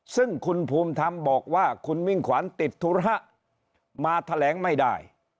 ซึ่งคุณภูมิธรรมบอกว่าคุณมิ่งขวัญติดธุระมาแถลงไม่ได้